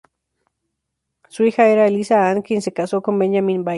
Su hija era Eliza Ann quien se casó con Benjamin Vail.